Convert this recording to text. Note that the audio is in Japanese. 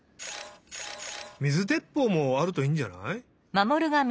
水でっぽうもあるといいんじゃない？